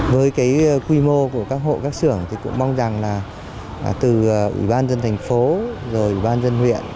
với cái quy mô của các hộ các xưởng thì cũng mong rằng là từ ủy ban dân thành phố rồi ủy ban dân huyện